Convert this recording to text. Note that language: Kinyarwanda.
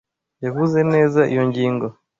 Yavuze neza iyo ngingo.